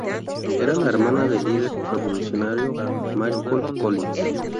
Era la hermana del líder revolucionario Michael Collins.